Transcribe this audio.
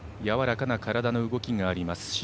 やわらかな体の動きがあります。